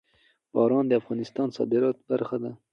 باران د افغانستان د صادراتو برخه ده.